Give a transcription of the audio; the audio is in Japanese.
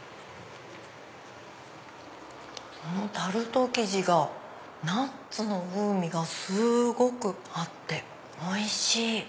このタルト生地がナッツの風味がすっごくあっておいしい！